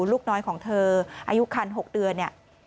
ลูกน้อยของเธออายุคัน๖เดือนเนี่ย